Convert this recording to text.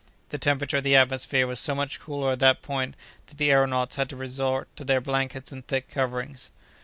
The temperature of the atmosphere was so much cooler at that point that the aëronauts had to resort to their blankets and thick coverings.